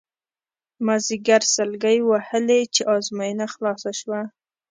مازیګر سلګۍ وهلې چې ازموینه خلاصه شوه.